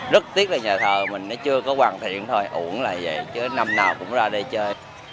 rất tiếc là nhà thờ mình nó chưa có hoàn thiện thôi uống là vậy chứ năm nào cũng ra đây chơi